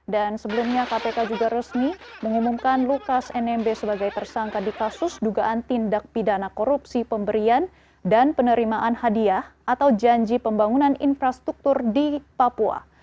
dan sebelumnya kpk juga resmi mengumumkan lukas nmb sebagai tersangka di kasus dugaan tindak pidana korupsi pemberian dan penerimaan hadiah atau janji pembangunan infrastruktur di papua